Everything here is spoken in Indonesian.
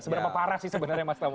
seberapa parah sih sebenarnya mas tama